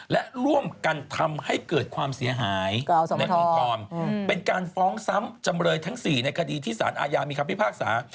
และร่วมกันทำให้เกิดความเสียหายในองค์กรเป็นการฟ้องซ้ำจำเลยทั้ง๔ในคดีที่สารอาญามีคำพิพากษา